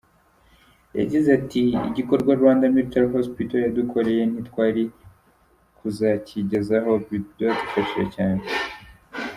Yagize ati :"Igikorwa Rwanda Military Hospital yadukoreye ntitwari kuzakigezaho, badufashije cyane.